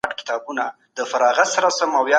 کله باید د نوي مهارت د زده کړي هڅه وکړو؟